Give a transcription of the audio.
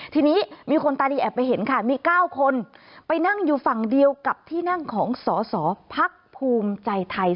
ทีนี้มีคนตาดีแอบไปเห็นค่ะมี๙คนไปนั่งอยู่ฝั่งเดียวกับที่นั่งของสอสอพักภูมิใจไทย